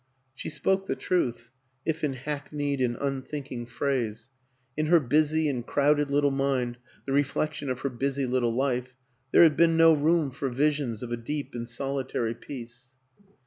She spoke the truth, if in hackneyed and un thinking phrase; in her busy and crowded little mind, the reflection of her busy little life, there had been no room for visions of a deep and soli tary peace.